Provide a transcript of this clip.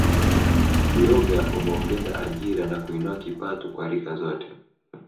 Uyoga umeongeza ajira na kuinua kipato kwa rika zote